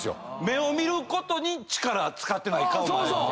目を見ることに力使ってない顔。